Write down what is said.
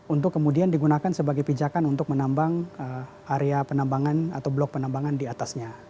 untuk kemudian digunakan sebagai pijakan untuk menambang area penambangan atau blok penambangan diatasnya